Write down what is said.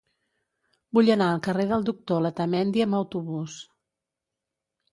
Vull anar al carrer del Doctor Letamendi amb autobús.